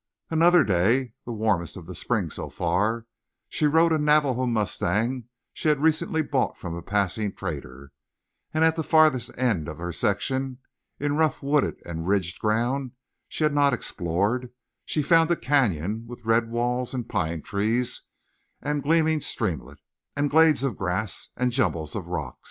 Another day, the warmest of the spring so far, she rode a Navajo mustang she had recently bought from a passing trader; and at the farthest end of her section, in rough wooded and ridged ground she had not explored, she found a canyon with red walls and pine trees and gleaming streamlet and glades of grass and jumbles of rock.